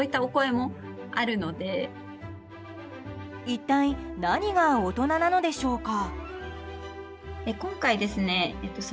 一体、何が大人なのでしょうか。